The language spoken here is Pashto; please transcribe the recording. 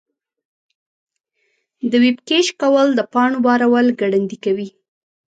د ویب کیش کول د پاڼو بارول ګړندي کوي.